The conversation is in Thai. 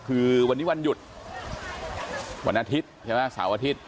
คือวันนี้วันหยุดวันอาทิตย์ใช่ไหมเสาร์อาทิตย์